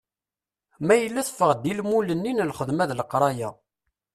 Ma yella teffeɣ-d i lmul-nni n lxedma d leqraya.